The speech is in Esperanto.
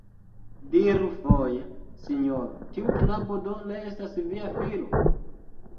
Diru foje, sinjoro, tiu knabo do ne estas via filo?